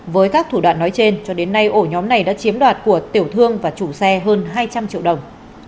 với các thủ đoạn nói trên cho đến nay ổ nhóm này đã chiếm đoạt của tiểu thương và chủ xe hơn hai trăm linh triệu đồng